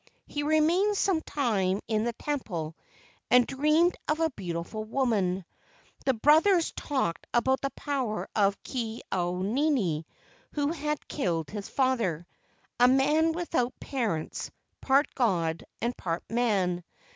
He remained some time in the temple and dreamed of a beautiful woman. The brothers talked about the power of Ke au nini who had killed his father, a man without parents, part god and part man.